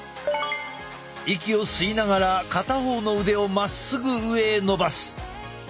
息を吸いながら片方の腕をまっすぐ上へ伸ばす。